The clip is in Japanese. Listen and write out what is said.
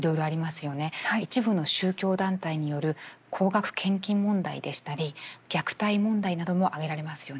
一部の宗教団体による高額献金問題でしたり虐待問題なども挙げられますよね。